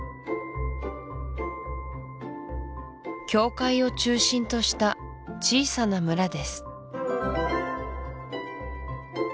教会を中心とした小さな村です